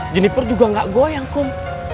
jennifer juga gak goyang kum